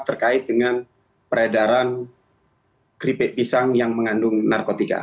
terkait dengan peredaran keripik pisang yang mengandung narkotika